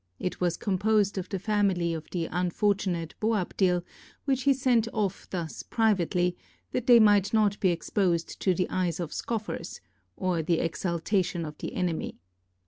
It was composed of the family of the unfortunate Boabdil, which he sent off thus privately, that they might not be exposed to the eyes of scoffers, or the exultation of the enemy.